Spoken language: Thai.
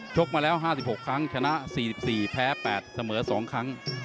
กมาแล้ว๕๖ครั้งชนะ๔๔แพ้๘เสมอ๒ครั้ง